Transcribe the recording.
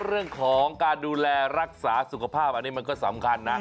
เรื่องของการดูแลรักษาสุขภาพอันนี้มันก็สำคัญนะ